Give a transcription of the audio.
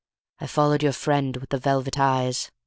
I followed your friend with the velvet eyes.